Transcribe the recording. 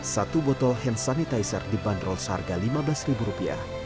satu botol hand sanitizer dibanderol seharga lima belas ribu rupiah